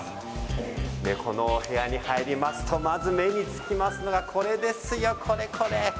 この部屋に入りますとまず目につきますのがこれですよ、これこれ！